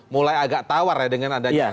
mulai agak tawar ya dengan adanya